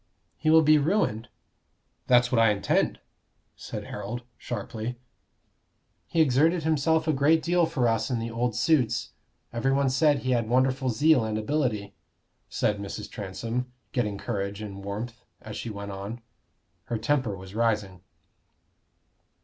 "He will be ruined." "That's what I intend," said Harold, sharply. "He exerted himself a great deal for us in the old suits: everyone said he had wonderful zeal and ability," said Mrs. Transome, getting courage and warmth, as she went on. Her temper was rising.